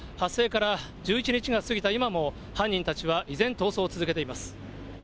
発生から１１日が過ぎた今も、犯人たちは依然逃走を続けています。